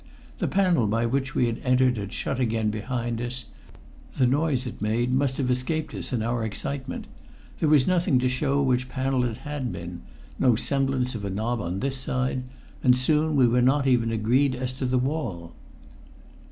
The panel by which we had entered had shut again behind us; the noise it must have made had escaped us in our excitement; there was nothing to show which panel it had been no semblance of a knob on this side and soon we were not even agreed as to the wall.